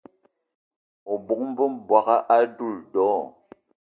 O bóng-be m'bogué a doula do?